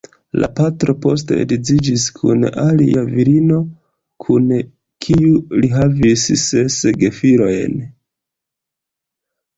La patro poste edziĝis kun alia virino, kun kiu li havis ses gefilojn.